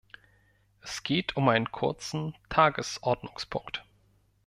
Es geht um einen kurzen Tagesordnungspunkt.